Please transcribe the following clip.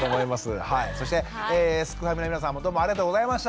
そしてすくファミの皆さんもどうもありがとうございました！